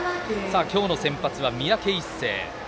今日の先発は三宅一誠。